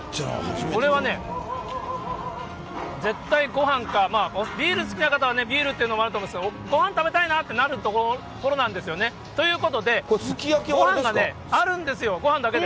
これはね、絶対ごはんか、ビール好きな方はね、ビールっていうのもあるんですけれども、ごはん食べたいなってなるところだと思うんですよね、ということで、ごはんがあるんですよ、ごはんだけで。